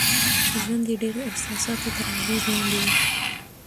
ژوند يې ډېر د احساساتو تر اغېز لاندې وي.